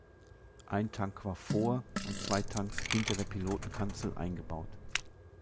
Ein Tank war vor und zwei Tanks hinter der Pilotenkanzel eingebaut.